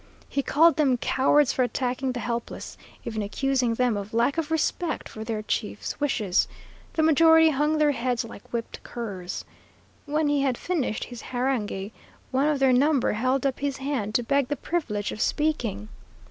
He called them cowards for attacking the helpless, even accusing them of lack of respect for their chief's wishes. The majority hung their heads like whipped curs. When he had finished his harangue, one of their number held up his hand to beg the privilege of speaking.